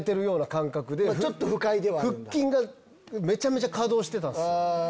腹筋がめちゃめちゃ稼働してたんすよ。